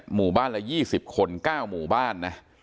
หมู่บ้านละ๒๐คน๙หมู่บ้านนะ